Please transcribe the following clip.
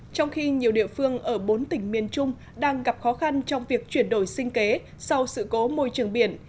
trong khi nhiều địa phương ở bốn tỉnh miền trung đang gặp khó khăn trong việc chuyển đổi sinh kế sau sự cố môi trường biển